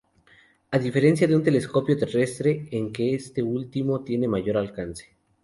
Se diferencia de un telescopio terrestre en que este último tiene mayor alcance.